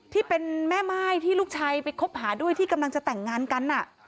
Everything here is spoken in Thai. ที่เป็นแม่ม่ายที่ลูกชายไปคบหาด้วยที่กำลังจะแต่งงานกัน